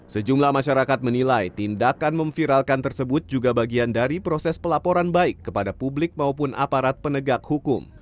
sejumlah masyarakat menilai tindakan memviralkan tersebut juga bagian dari proses pelaporan baik kepada publik maupun aparat penegak hukum